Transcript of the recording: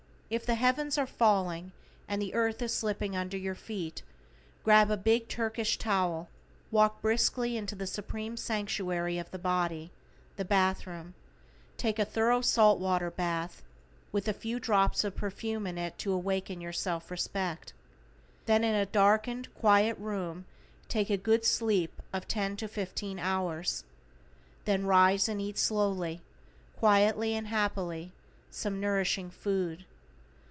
If the heavens are falling and the earth is slipping under your feet, grab a big Turkish towel, walk briskly into the supreme sanctuary of the body, the bath room, take a thorough salt water bath, with a few drops of perfume in it to awaken your self respect. Then in a quiet, darkened room take a good sleep of ten to fifteen hours. Then rise and eat slowly, quietly and happily some nourishing food.